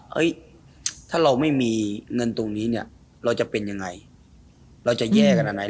เฮ้ยถ้าเราไม่มีเงินตรงนี้เนี่ยเราจะเป็นยังไงเราจะแย่ขนาดไหน